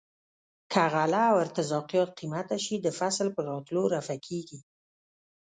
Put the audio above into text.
که غله او ارتزاقیات قیمته شي د فصل په راتلو رفع کیږي.